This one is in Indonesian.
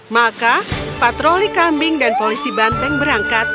maka patroli kambing dan polisi banteng berangkat